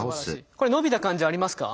これ伸びた感じありますか？